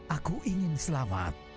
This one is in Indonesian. aku ingin selamat